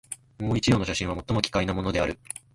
もう一葉の写真は、最も奇怪なものである